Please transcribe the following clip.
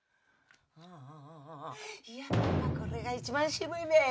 やっぱこれが一番渋いべ！